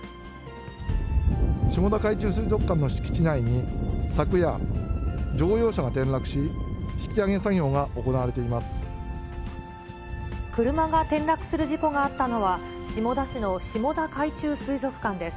下田海中水族館の敷地内に昨夜、乗用車が転落し、車が転落する事故があったのは、下田市の下田海中水族館です。